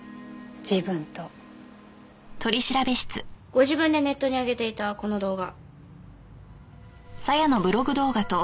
ご自分でネットに上げていたこの動画。